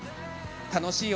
楽しい！